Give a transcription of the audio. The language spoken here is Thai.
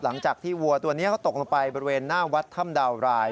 หลังจากที่วัวตัวนี้เขาตกลงไปบริเวณหน้าวัดถ้ำดาวราย